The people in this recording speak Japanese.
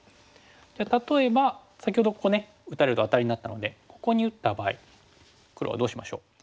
じゃあ例えば先ほどここね打たれるとアタリになったのでここに打った場合黒はどうしましょう？